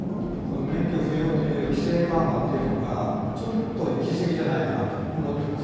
免許不要という規制緩和というのがちょっと行き過ぎじゃないかなと思っています。